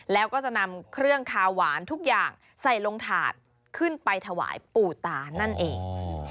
แล้วก็จะนำเครื่องคาหวานทุกอย่างใส่ลงถาดขึ้นไปถวายปู่ตานั่นเอง